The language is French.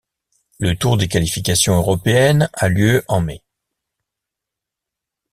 Le tour des qualifications européennes a lieu en mai.